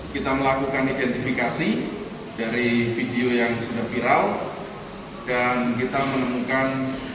kita melakukan identifikasi dari video yang sudah viral dan kita menemukan